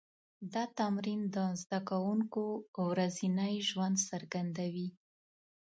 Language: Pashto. دا تمرین د زده کوونکو ورځنی ژوند څرګندوي.